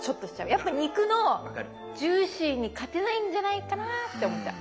やっぱ肉のジューシーに勝てないんじゃないかなって思っちゃう。